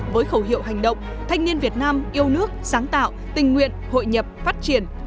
với khẩu hiệu hành động thanh niên việt nam yêu nước sáng tạo tình nguyện hội nhập phát triển